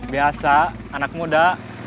biasa anak muda